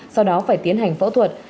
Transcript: sau đó phải tiến hành phẫu thuật